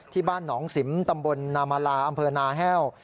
ที่บ้านหนองสิมตำบลนามลาอำเภอนาแห้ว